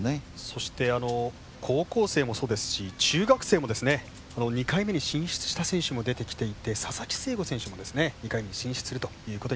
そして高校生もそうですし中学生も２回目に進出した選手も出てきていて佐々木星語選手も２回目に進出するということになりました。